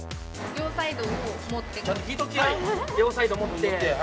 両サイド持って。